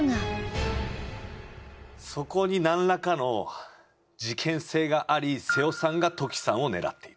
そこになんらかの事件性があり背尾さんが土岐さんを狙っている。